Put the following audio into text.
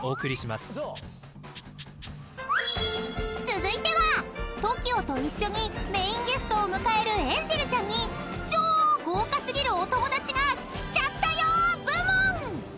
［続いてはＴＯＫＩＯと一緒にメインゲストを迎えるエンジェルちゃんに超豪華過ぎるお友達が来ちゃったよ部門！］